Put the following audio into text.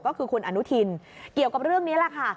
ก็คือคุณอนุทินเกี่ยวกับเรื่องนี้แหละค่ะ